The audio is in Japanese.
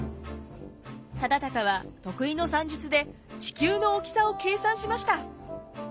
忠敬は得意の算術で地球の大きさを計算しました。